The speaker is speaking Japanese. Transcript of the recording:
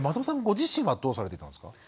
ご自身はどうされていたんですか？